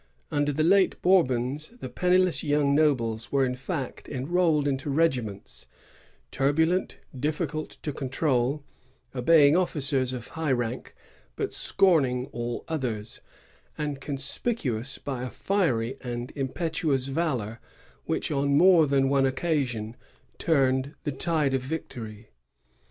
Under the later Bourbons, the penniless young nobles were, in fact, enrolled into regiments, — turbulent, difficult to control, obeying officers of high rank, but scorning all others, and conspicuous by a fiery and impetuous valor which on more than one occasion turned the tide of victory.